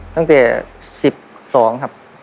ตั้งแต่สิบสองครับ